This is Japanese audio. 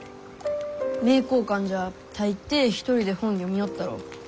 名教館じゃ大抵一人で本読みよったろ。